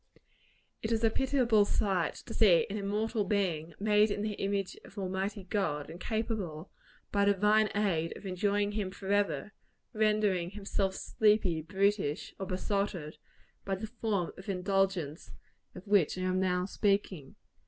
It is a pitiable sight to see an immortal being, made in the image of Almighty God, and capable, by divine aid, of enjoying Him forever, rendering himself sleepy, brutish, or besotted, by the form of indulgence of which I am now speaking.